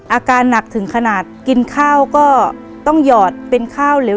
อาการหนักถึงขนาดกินข้าวก็ต้องหยอดเป็นข้าวเหลว